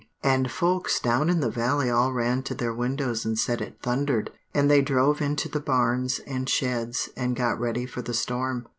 And folks down in the valley all ran to their windows and said it thundered, and they drove into the barns and sheds and got ready for the storm.